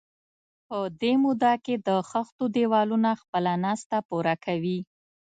په دې موده کې د خښتو دېوالونه خپله ناسته پوره کوي.